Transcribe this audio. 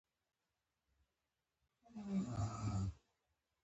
څنګه کولی شم د ماشومانو لپاره د عید ډالۍ واخلم